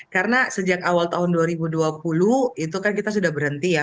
karena sejak awal tahun dua ribu dua puluh itu kan kita sudah berhenti ya